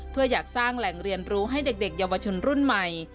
เพื่ออยากสร้างแหล่งเรียนรู้ให้เด็กเยาวชนรุ่นใหม่